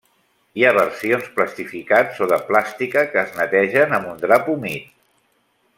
Hi ha versions plastificats o de plàstica, que es netegen amb un drap humit.